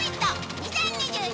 ２０２２」